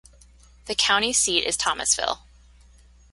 The county seat is Thomasville.